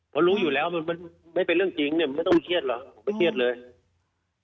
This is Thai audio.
เพราะรู้อยู่แล้วมันไม่เป็นเรื่องจริงเนี่ยไม่ต้องเครียดหรอผมไม่เครียดเลย